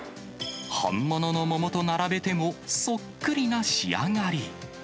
本物の桃と並べてもそっくりな仕上がり。